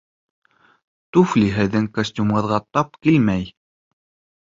Туфли һеҙҙең костюмығыҙға тап килмәй